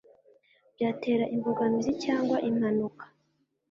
byatera imbogamizi cyangwa impanuka.